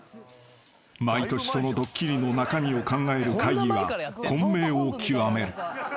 ［毎年そのドッキリの中身を考える会議は混迷を極める］